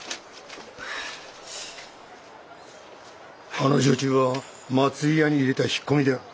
あの女中は松井屋に入れた引き込みだ。